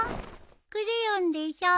クレヨンでしょ？